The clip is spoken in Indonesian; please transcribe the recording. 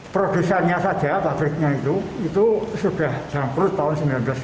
prodesannya saja pabriknya itu itu sudah jangkrut tahun seribu sembilan ratus tiga puluh lima